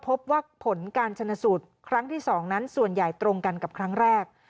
พบว่าผลการชนสูตรครั้งที่๒นั้นส่วนใหญ่ตรงกันกับครั้งแรก